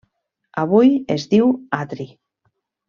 Avui es diu Atri.